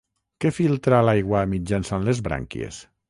Què filtra l'aigua mitjançant les brànquies?